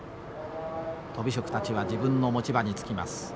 とび職たちは自分の持ち場につきます。